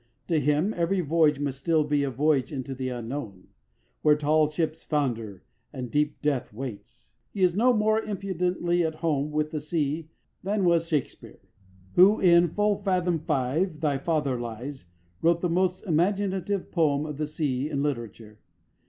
To him every voyage must still be a voyage into the unknown "where tall ships founder and deep death waits." He is no more impudently at home with the sea than was Shakespeare, who, in "Full fathom five thy father lies," wrote the most imaginative poem of the sea in literature.